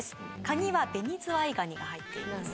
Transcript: カニは紅ズワイガニが入っています